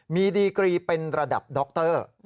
มีดีกรีเป็นระดับด็อกเตอร์